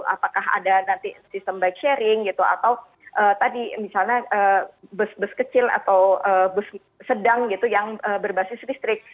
apakah ada nanti sistem bike sharing gitu atau tadi misalnya bus bus kecil atau bus sedang gitu yang berbasis listrik